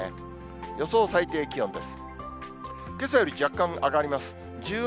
予想最低気温です。